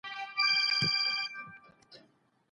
ما له بورا سره ژړل هغه خندل ویل یې